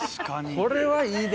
これはいいで。